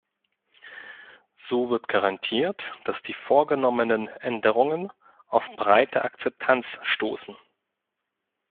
So wird garantiert, dass die vorgenommenen Änderungen auf breite Akzeptanz stoßen.